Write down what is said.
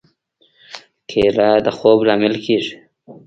کېله د خوب لامل کېږي.